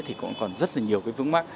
thì cũng còn rất là nhiều cái vướng mắt